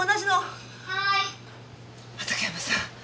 畑山さん